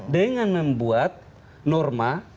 dengan membuat norma